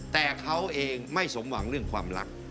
แต่เขาเองไม่สมหวังเรื่องความรัก